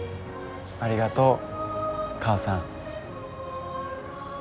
ありがとう母さん。